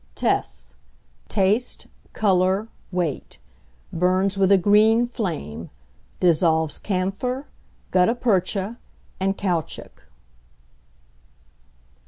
Tests. Taste, colour, weight; burns with a green flame; dissolves camphor, guttapercha, and caoutchouc.